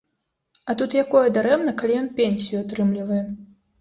А тут якое дарэмна, калі ён пенсію атрымлівае.